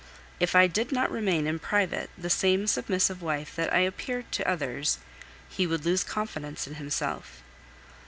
If I did not remain in private the same submissive wife that I appear to others, he would lose confidence in himself.